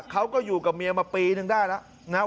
เขาก็อยู่กับเมียมาปีนึงได้แล้วนะครับ